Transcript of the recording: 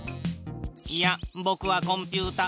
やあぼくはコンピュータ。